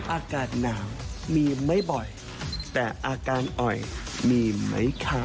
อากาศหนาวมีไม่บ่อยแต่อาการอ่อยมีไหมคะ